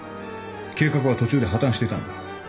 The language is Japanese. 計画は途中で破たんしていたんだ。